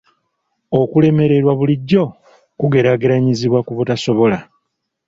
Okulemererwa bulijjo kugeraageranyizibwa ku butasobola.